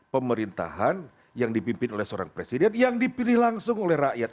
pemerintahan yang dipimpin oleh seorang presiden yang dipilih langsung oleh rakyat